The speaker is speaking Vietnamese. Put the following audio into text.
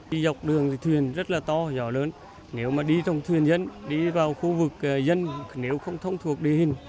đi dọc đường thì thuyền rất là to gió lớn nếu mà đi trong thuyền dân đi vào khu vực dân nếu không thông thuộc địa hình